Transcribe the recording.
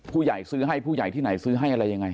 ซื้อให้ผู้ใหญ่ที่ไหนซื้อให้อะไรยังไง